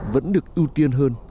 vẫn được ưu tiên hơn